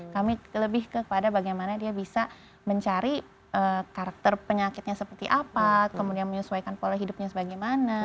kami lebih kepada bagaimana dia bisa mencari karakter penyakitnya seperti apa kemudian menyesuaikan pola hidupnya sebagaimana